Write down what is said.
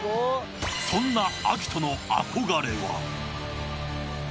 そんなアキトの憧れは。